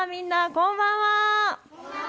こんばんは。